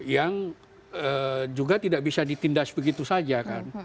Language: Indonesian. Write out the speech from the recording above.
yang juga tidak bisa ditindas begitu saja kan